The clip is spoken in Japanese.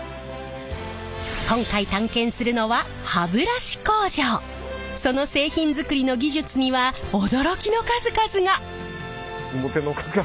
今回探検するのはその製品づくりの技術には驚きの数々が！